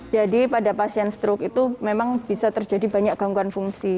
jadi pada pasien strok itu memang bisa terjadi banyak gangguan fungsi